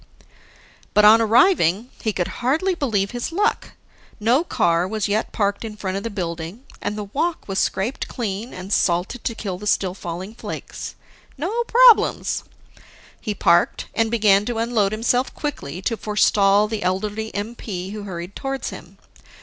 But on arriving, he could hardly believe his luck. No car was yet parked in front of the building, and the walk was scraped clean and salted to kill the still falling flakes. No problems. He parked and began to unload himself quickly, to forestall the elderly MP who hurried towards him.